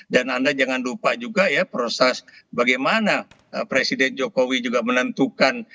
dan anda jangan lupa juga ya proses bagaimana presiden jokowi juga menentukan